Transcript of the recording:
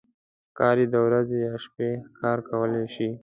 ښکاري د ورځې یا شپې ښکار کولی شي.